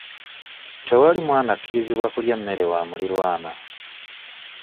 Tewali mwana akkirizibwa kulya mmere wa muliraanwa.